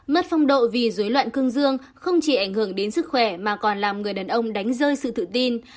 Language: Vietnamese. mất phong độ vì dối loạn cương dương không chỉ ảnh hưởng đến sức khỏe mà còn làm người đàn ông đánh rơi sự tự tin